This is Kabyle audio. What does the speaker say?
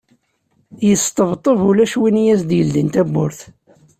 Yesṭebṭeb ulac win i as-d-yeldin tawwurt.